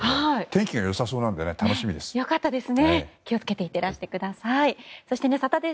天気が良さそうなので楽しみです。